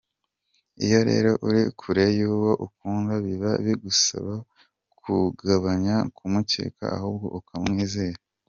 Iyo rero uri kure y’uwo ukunda biba bigusaba kugabanya kumukeka ahubwo ukamwizera.